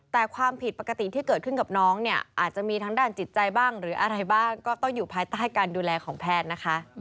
แต่ความผิดปกติที่เกิดขึ้นกับน้องเนี่ยอาจจะมีทั้งด้านจิตใจบ้างหรืออะไรบ้างก็ต้องอยู่ภายใต้การดูแลของแพทย์นะคะ